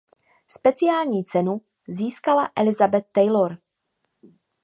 Speciální cenu získala Elizabeth Taylor.